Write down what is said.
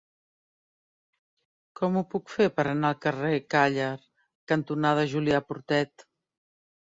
Com ho puc fer per anar al carrer Càller cantonada Julià Portet?